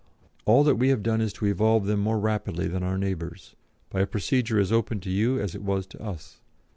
All that we have done is to evolve them more rapidly than our neighbours, by a procedure as open to you as it was to us.